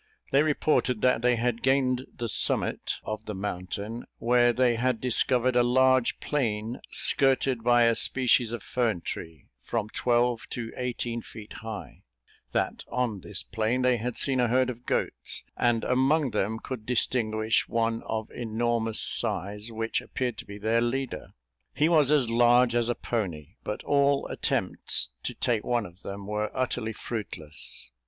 They reported that they had gained the summit of the mountain, where they had discovered a large plain, skirted by a species of fern tree, from twelve to eighteen feet high that on this plain they had seen a herd of goats; and among them, could distinguish one of enormous size, which appeared to be their leader. He was as large as a pony; but all attempts to take one of them were utterly fruitless.